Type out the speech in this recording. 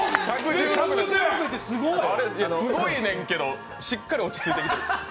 すごいねんけど、しっかり落ち着いてきてる。